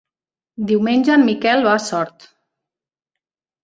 Diumenge en Miquel va a Sort.